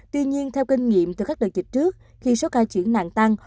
tuy nhiên theo kinh nghiệm từ các đợt dịch trước khi số ca chuyển nạn tăng